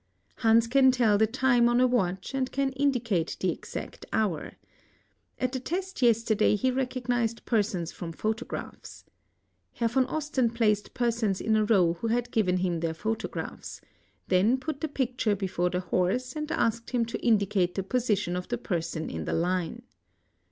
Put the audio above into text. t Hans can tell the time on a watch and can Indicate the exact hour. At the test yesterday he recognized persons from pho tographs. Herr von Osten placed persons in a row who had gl ven him. their photo graphs r then' put t&e picture before the horse and asked him to indicate the position of the person In the Une.